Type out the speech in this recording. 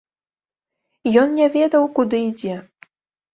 Ён не ведаў, куды ідзе.